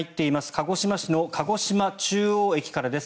鹿児島市の鹿児島中央駅からです。